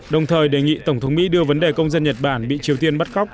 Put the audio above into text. đồng thời đề nghị tổng thống mỹ đưa vấn đề công dân nhật bản bị triều tiên bắt khóc